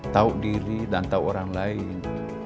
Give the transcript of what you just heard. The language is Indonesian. tahu diri dan tahu orang lain